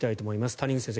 谷口先生